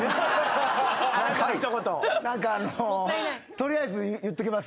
「取りあえず言っときます」